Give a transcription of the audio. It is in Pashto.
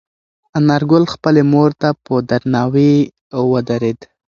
انارګل خپلې مور ته په درناوي ودرېد.